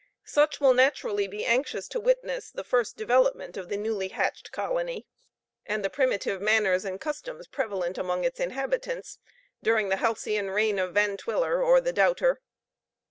Such will naturally be anxious to witness the first development of the newly hatched colony, and the primitive manners and customs prevalent among its inhabitants, during the halcyon reign of Van Twiller, or the Doubter.